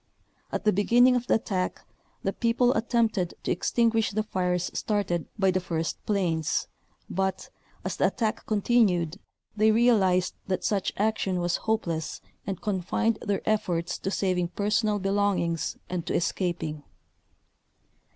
At the beginning of the attack, the people attempted to extinguish the fires started by the first planes, but, as the attack continued, they realized that such action was hopeless and confined their efforts to saving personal belong ings and to escaping.